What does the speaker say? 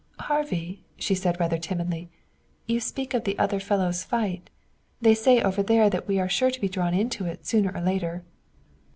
"Harvey," she said rather timidly, "you speak of the other fellow's fight. They say over there that we are sure to be drawn into it sooner or later."